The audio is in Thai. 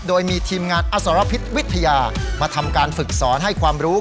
โดยมีทีมงานอสรพิษวิทยามาทำการฝึกสอนให้ความรู้